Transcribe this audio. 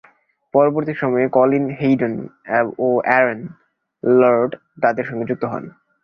পরবর্তী সময়ে Colin Hayden ও অ্যারন লর্ড তাদের সঙ্গে যুক্ত হন।